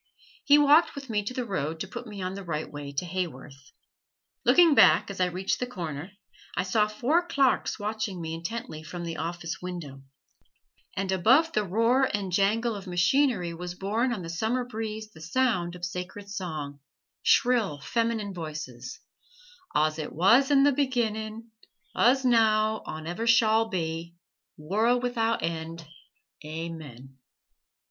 He walked with me to the road to put me on the right way to Haworth. Looking back as I reached the corner, I saw four "clarks" watching me intently from the office windows, and above the roar and jangle of machinery was borne on the summer breeze the sound of sacred song shrill feminine voices: "Aws ut wuz in th' beginnin', uz now awn ever shawl be, worl' wi'out end Aamen!"